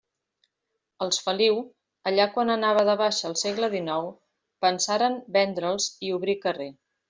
Els Feliu, allà quan anava de baixa el segle dinou, pensaren vendre'ls i obrir carrer.